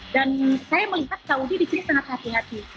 saya melihat saudi di sini sangat hati hati